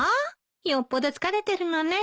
よっぽど疲れてるのね。